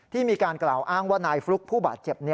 มีการกล่าวอ้างว่านายฟลุ๊กผู้บาดเจ็บ